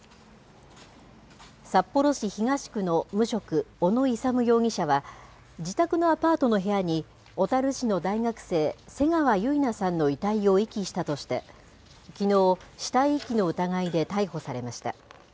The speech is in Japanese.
札幌市東区の無職、小野勇容疑者は、自宅のアパートの部屋に、小樽市の大学生、瀬川結菜さんの遺体を遺棄したとして、きのう、死体遺棄の疑いで逮捕されました。